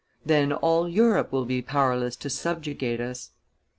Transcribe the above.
Then all Europe will be powerless to subjugate us."